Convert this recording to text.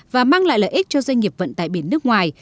và mang lại lợi ích cho doanh nghiệp vận tải biển nước ngoài